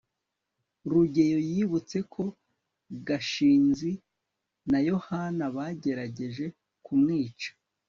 rugeyo yibutse ko gashinzi na yohana bagerageje kumwica